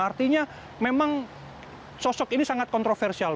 artinya memang sosok ini sangat kontroversial